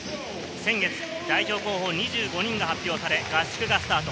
先月、代表候補２５人が発表され、合宿がスタート。